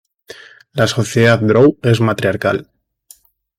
La sociedad drow es matriarcal.